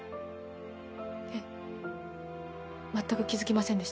えっ？全く気づきませんでした。